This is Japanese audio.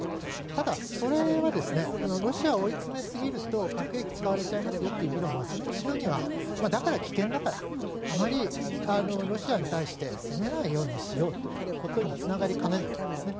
ただ、それはロシアを追い詰めすぎると核兵器を使われちゃいますよという議論はその後ろにはだから、危険だからあまりロシアに対して攻めないようにしようということにつながりかねないんですね。